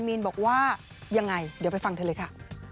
มีนบอกว่ายังไงเดี๋ยวไปฟังเธอเลยค่ะ